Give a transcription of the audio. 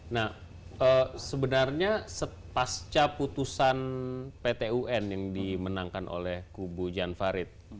nah sebenarnya sepasca putusan pt un yang dimenangkan oleh kubu jan farid